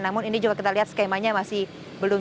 namun ini juga kita lihat skemanya masih belum